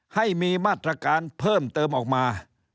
ให้มีมาตรการเพิ่มเติมออกมา